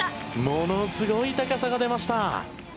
ものすごい高さが出ました。